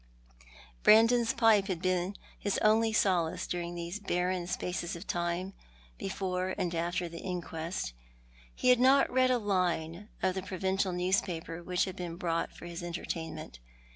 Brandon's pipe had been his only solace during those barren spaces of time before and after the inquest. He had not read a line of the provincial newspaper which had been brought for his entertainment.